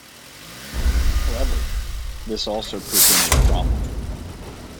However, this also presented a problem.